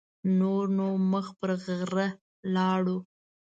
نور نو مخ پر غره لاړو.